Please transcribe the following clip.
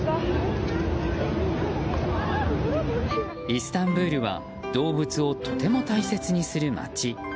イスタンブールは動物をとても大切にする街。